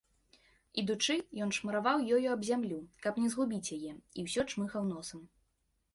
Ідучы, ён шмараваў ёю аб зямлю, каб не згубіць яе, і ўсё чмыхаў носам.